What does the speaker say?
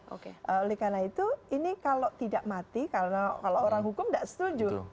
oke oleh karena itu ini kalau tidak mati karena kalau orang hukum tidak setuju